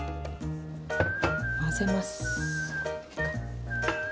混ぜます。